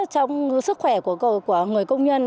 trong sức khỏe của người công nhân